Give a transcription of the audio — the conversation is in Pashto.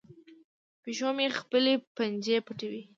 پیشو مې خپلې پنجې پټوي.